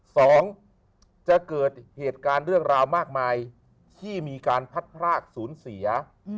สองจะเกิดเหตุการณ์เรื่องราวมากมายที่มีการพัดพรากศูนย์เสีย